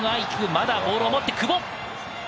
まだボールを持って久保。